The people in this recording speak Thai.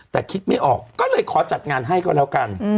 แต่คิดไม่ออกก็เลยขอจัดงานให้ก็แล้วกัน